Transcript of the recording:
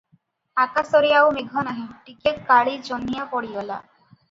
ଆକାଶରେ ଆଉ ମେଘ ନାହିଁ, ଟିକିଏ କାଳିଜହ୍ନିଆ ପଡିଗଲା ।